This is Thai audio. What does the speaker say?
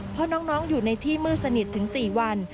เพราะน้องอยู่ในที่มืดสนิทถึง๔วัน